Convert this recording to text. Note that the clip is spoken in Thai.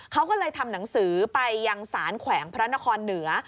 เขาก็เลยทำหนังสือไปยังสารแขวงพระนครเหนือ